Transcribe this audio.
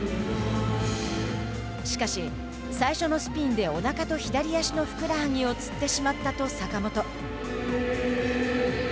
しかし、最初のスピンでおなかと左足のふくらはぎをつってしまったと坂本。